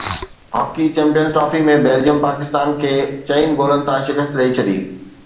hockey champions trophy ۾ Belgium Pakistan کي چئن گولن تان شڪست ڏئي ڇڏي